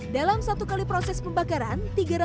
dalam satu kali proses pembakaran